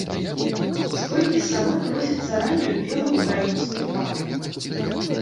Столькі самы просяць за раннюю, белую ўкраінскую папрыку.